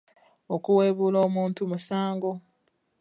Okuwebuula omuntu musango.